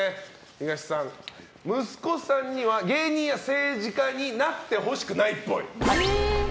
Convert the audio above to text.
東さん、息子には芸人や政治家になってほしくないっぽい。